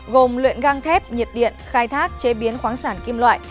gồm luyện gang thép nhiệt điện khai thác chế biến khoáng sản kim loại